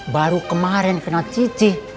baru kemarin kena cicih